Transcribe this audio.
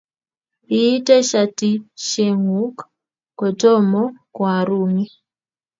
iite shatisheguuk kotomo koaruny